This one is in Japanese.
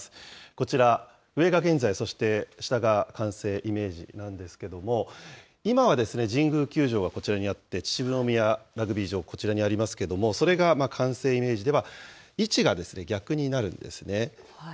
こちら、上が現在、そして下が完成イメージなんですけども、今はですね、神宮球場がこちらにあって、秩父宮ラグビー場、こちらにありますけれども、それが完成イメージでは、位置が逆になるんですね。